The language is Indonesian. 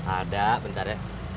ada bentar ya